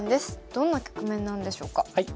どんな局面なんでしょうか。